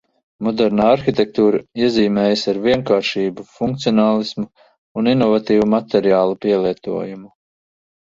Modernā arhitektūra iezīmējas ar vienkāršību, funkcionālismu un inovatīvu materiālu pielietojumu.